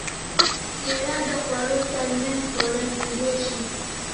کېله د خوړو تر منځ خوړل کېدای شي.